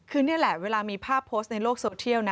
คือนี่แหละเวลามีภาพโพสต์ในโลกโซเทียลนะ